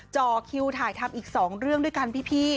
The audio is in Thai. จ่อคิวถ่ายทำอีก๒เรื่องด้วยกันพี่